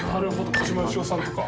小島よしおさんとか？